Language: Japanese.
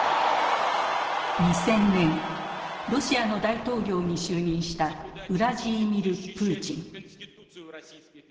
２０００年ロシアの大統領に就任したウラジーミル・プーチン。